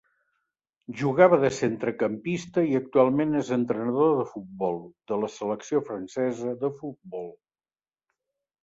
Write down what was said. Jugava de centrecampista i actualment és entrenador de futbol de la selecció francesa de futbol.